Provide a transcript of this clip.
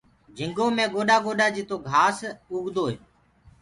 جهنٚگ گوڏآ گوڏآ جِتو گھآس اُگآنٚدوئي